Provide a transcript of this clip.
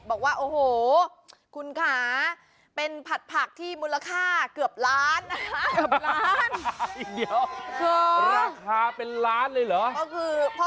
บอกว่าโอ้โหคุณค่ะเป็นผัดผักที่มูลค่าเกือบล้านนะคะ